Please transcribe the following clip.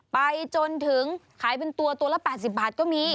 ไปจนถึงขายเป็นตัวตัวละ๘๐บาทก็มี